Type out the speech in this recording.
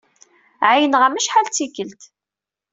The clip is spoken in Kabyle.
Ɛeyyneɣ-am acḥal d tikkelt.